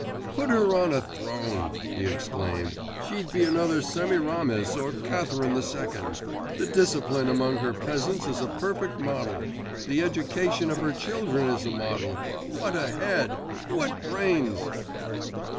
'Put her on a throne,' he exclaimed, 'she'd be another Semiramis or Catherine the Second! The discipline among her peasants is a perfect model.… The education of her children is model! What a head! What brains!